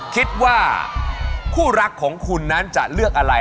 คิดว่าคู่รักของคุณนั้นจะเลือกอะไร